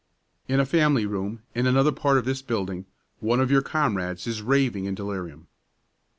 "In a family room, in another part of this building, one of your comrades is raving in delirium.